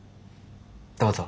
どうぞ。